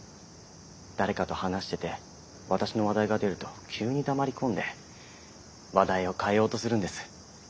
誰かと話してて私の話題が出ると急に黙り込んで話題を変えようとするんです。